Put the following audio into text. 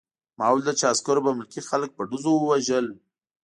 ما ولیدل چې عسکرو به ملکي خلک په ډزو وژل